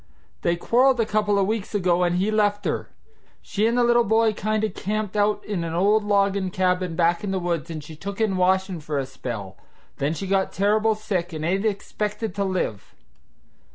They quarreled a couple o' weeks ago and he left her. She and the little boy kind o' camped out in an old loggin' cabin back in the woods and she took in washin' for a spell; then she got terrible sick and ain't expected to live."